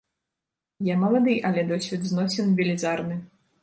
Я малады, але досвед зносін велізарны.